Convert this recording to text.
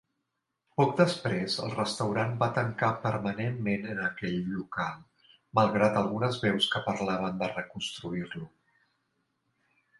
Poc després, el restaurant va tancar permanentment en aquell local, malgrat algunes veus que parlaven de reconstruir-lo.